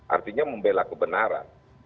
artinya membela kebenaran